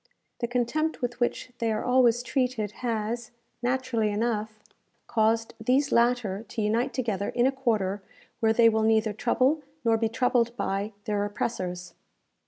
The contempt with which they are always treated, has, naturally enough, caused these latter to unite together in a quarter where they will neither trouble, nor be troubled by, their oppressors.